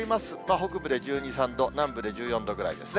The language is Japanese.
北部で１２、３度、南部で１４度ぐらいですね。